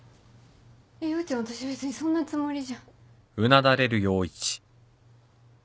陽ちゃん私別にそんなつもりじゃ。